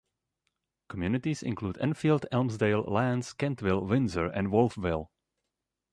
Communities include Enfield, Elmsdale, Lantz, Kentville, Windsor and Wolfville.